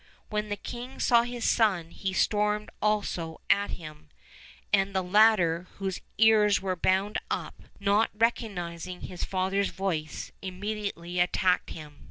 When the king saw his son he stormed also at him; and the latter, whose ears were bound up, not recognizing his father's voice, immediately attacked him.